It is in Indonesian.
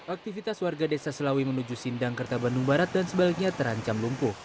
aktivitas warga desa selawi menuju sindangkerta bandung barat dan sebaliknya terancam lumpuh